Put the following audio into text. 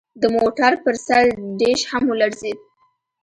د موټر پر سر ډیش هم ولړزید